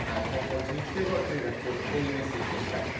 今後１日程度は注意が必要というメッセージでした。